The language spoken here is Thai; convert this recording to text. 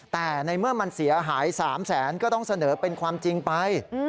แต่ในเมื่อมันเสียหาย๓แสนก็ต้องเสนอเป็นความจริงไป